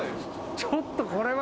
ちょっとこれは。